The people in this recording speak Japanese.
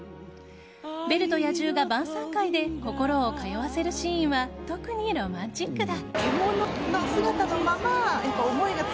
ベルと野獣が晩さん会で心を通わせるシーンは特にロマンチックだ。